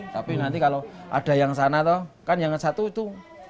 tapi nanti kalau ada yang sana tuh kan yang satu itu